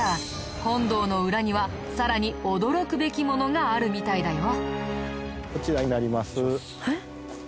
本堂の裏にはさらに驚くべきものがあるみたいだよ。